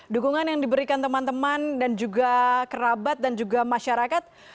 dukungan yang diberikan teman teman dan juga kerabat dan juga masyarakat